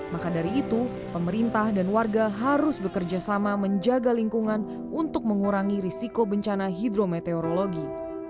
maka dari itu pemerintah dan warga harus bekerja sama menjaga lingkungan untuk mengurangi risiko bencana hidrometeorologi